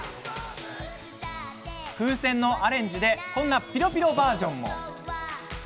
風船のアレンジでこんなピロピロバージョンも。